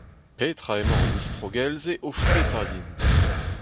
Petra emañ an istrogell-se o fritañ din !